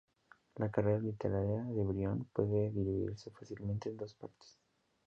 La carrera literaria de Brion puede dividirse fácilmente en dos partes.